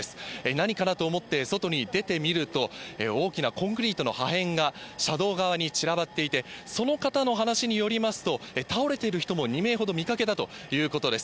何かなと思って外に出てみると、大きなコンクリートの破片が、車道側に散らばっていて、その方の話によりますと、倒れている人も２名ほど見かけたということです。